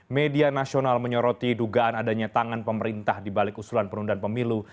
media nasional menyoroti dugaan adanya tangan pemerintah dibalik usulan penundaan pemilu